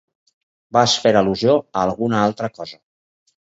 Vas fer al·lusió a alguna altra cosa.